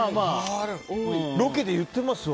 ロケで言ってますわ。